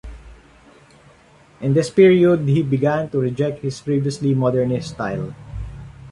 In this period he began to reject his previously modernist style.